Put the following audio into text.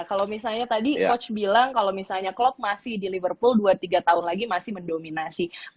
kalau misalnya tadi coach bilang kalau misalnya klop masih di liverpool dua tiga tahun lagi masih mendominasi